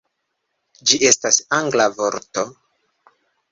Ĝi estas angla vorto